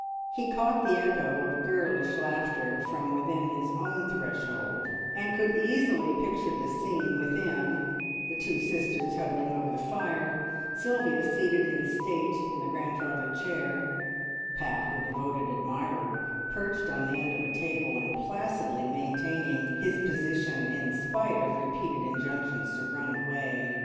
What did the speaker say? He caught the echo of girlish laughter from within his own threshold, and could easily picture the scene within the two sisters huddling over the fire, Sylvia seated in state in the grandfather chair, Pat, her devoted admirer, perched on the end of a table, and placidly maintaining his position in spite of repeated injunctions to run away.